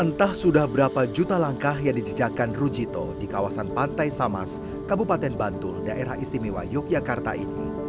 entah sudah berapa juta langkah yang dijejakan rujito di kawasan pantai samas kabupaten bantul daerah istimewa yogyakarta ini